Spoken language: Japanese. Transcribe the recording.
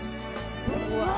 うわ。